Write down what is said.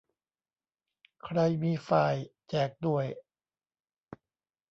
ใครมีไฟล์ แจกด้วย